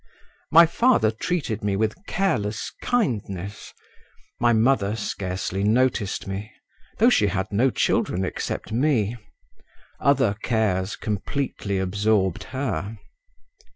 My father treated me with careless kindness; my mother scarcely noticed me, though she had no children except me; other cares completely absorbed her.